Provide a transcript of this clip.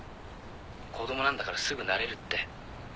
子供なんだからすぐ慣れるって。